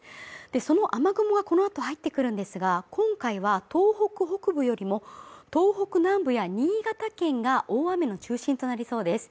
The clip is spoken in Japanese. その雨雲がこの後入ってくるんですが、今回は東北北部よりも東北南部や新潟県が、大雨の中心となりそうです。